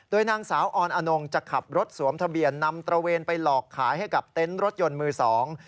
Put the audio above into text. นางสาวออนอนงจะขับรถสวมทะเบียนนำตระเวนไปหลอกขายให้กับเต็นต์รถยนต์มือสอง